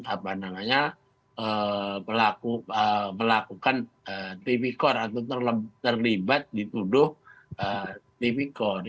apa namanya pelakukan tvkor atau terlibat dituduh tvkor